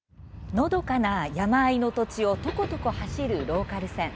のどかな山あいの土地をとことこ走るローカル線。